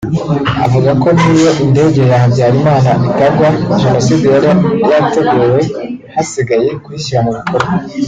avuga ko n’iyo indege ya Habyarimana itagwa Jenoside yari yateguwe hasigaye kuyishyira mu bikorwa